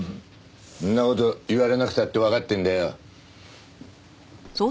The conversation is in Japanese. んな事言われなくたってわかってんだよ。